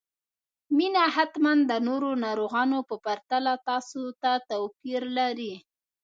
مينه حتماً د نورو ناروغانو په پرتله تاسو ته توپير لري